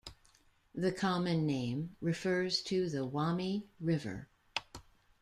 The common name refers to the Wami River.